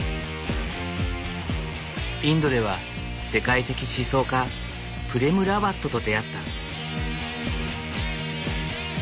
インドでは世界的思想家プレム・ラワットと出会った。